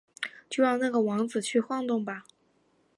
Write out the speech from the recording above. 就让那个王子去晃动吧！